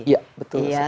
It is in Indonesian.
iya betul sekali